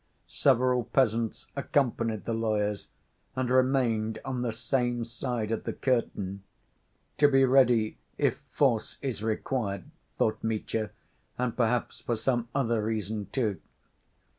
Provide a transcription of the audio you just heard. Several peasants accompanied the lawyers and remained on the same side of the curtain. "To be ready if force is required," thought Mitya, "and perhaps for some other reason, too."